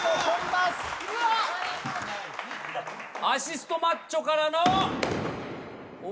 アシストマッチョからの。